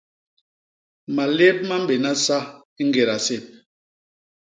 Malép ma mbéna sa i ñgéda sép.